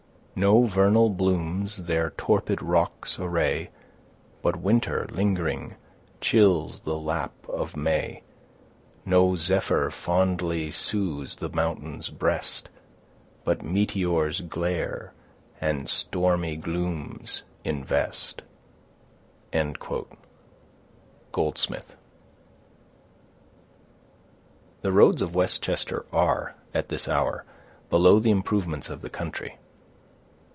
No vernal blooms their torpid rocks array, But winter, lingering, chills the lap of May; No zephyr fondly sues the mountain's breast, But meteors glare, and stormy glooms invest. —GOLDSMITH. The roads of Westchester are, at this hour, below the improvements of the country.